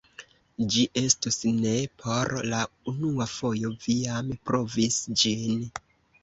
Ĝi estus ne por la unua fojo, vi jam provis ĝin!